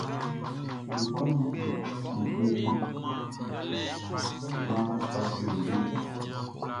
Be tran ndje nu nan ba tu ndje.